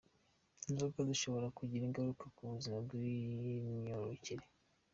Inzoga zishobora kugira ingararuka ku buzima bw’imyororokere